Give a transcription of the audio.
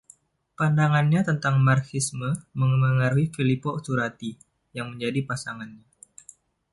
Pandangannya tentang Marxisme memengaruhi Filippo Turati, yang menjadi pasangannya.